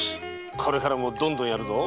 これからもどんどんやるぞ。